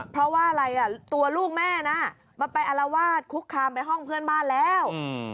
เพราะว่าอะไรอ่ะตัวลูกแม่น่ะมันไปอารวาสคุกคามไปห้องเพื่อนบ้านแล้ว